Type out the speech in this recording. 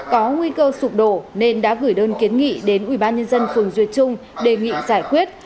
có nguy cơ sụp đổ nên đã gửi đơn kiến nghị đến ubnd phường duyệt trung đề nghị giải quyết